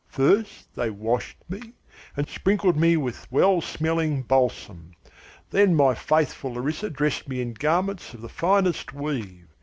First they washed me and sprinkled me with well smelling balsam. Then my faithful Larissa dressed me in garments of the finest weave.